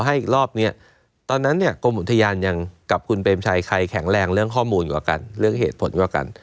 ให้อีกรอบนี้ตอนนั้นเนี่ยกรมอุทยานยังกับคุณเปรมชัยใครแข็งแรงเรื่องข้อมูลกว่ากันเรื่องเหตุผลกว่ากัน